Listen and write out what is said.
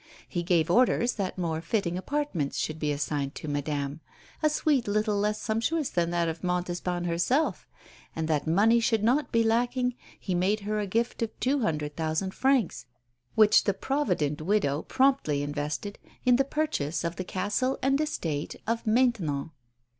He gave orders that more fitting apartments should be assigned to Madame a suite little less sumptuous than that of Montespan herself; and that money should not be lacking, he made her a gift of two hundred thousand francs, which the provident widow promptly invested in the purchase of the castle and estate of Maintenon.